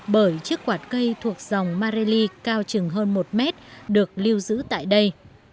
bởi chiếc quạt cây thuộc dòng marelli cao chừng hơn một mét được lưu giữ tại đây